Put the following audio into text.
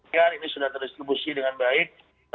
ini sudah terdistribusi dengan baik